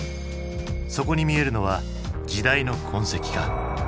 そこに見えるのは時代の痕跡か？